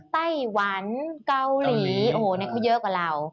ไต้หวันเกาหลีโอ้โหเขาเยอะกว่าเรา